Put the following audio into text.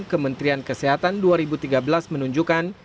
kementerian kesehatan dua ribu tiga belas menunjukkan